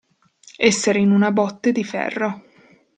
Essere in una botte di ferro.